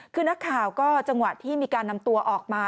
คือนักข่าวก็จังหวะที่มีการนำตัวออกมา